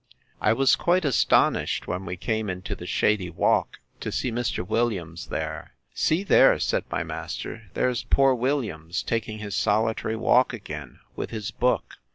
I was quite astonished, when we came into the shady walk, to see Mr. Williams there. See there, said my master, there's poor Williams, taking his solitary walk again, with his book.